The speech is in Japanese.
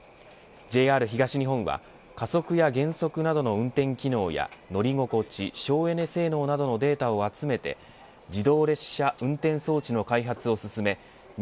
ＪＲ東日本は加速や減速などの運転機能や乗り心地省エネ性能などのデータを集めて自動列車運転装置の開発を進め